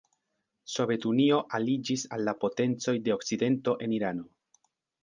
Sovetunio aliĝis al la potencoj de Okcidento en Irano.